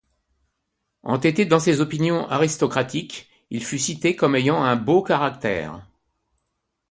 Entêté dans ses opinions aristocratiques, il fut cité comme ayant un beau caractère.